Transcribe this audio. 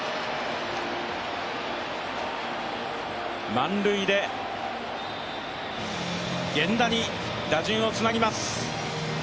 満塁で、源田に打順をつなぎます。